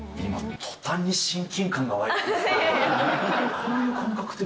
途端に親近感が湧いて。